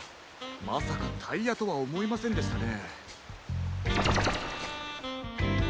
まさかタイヤとはおもいませんでしたね。